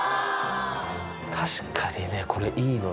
確かにね、これ、いいのよ。